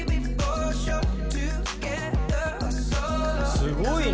「すごいな！